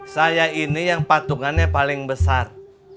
saya ini yang patungannya paling besar